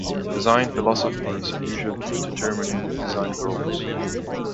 Design philosophies are usually for determining design goals.